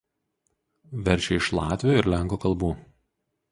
Verčia iš latvių ir lenkų kalbų.